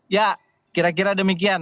ya kira kira demikian